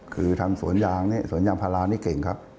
คือทำสวนยางพารานี่เก่งครับ